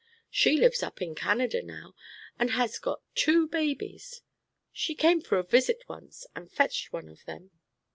She lives up in Canada now, and has got two babies. She came for a visit once, and fetched one of them.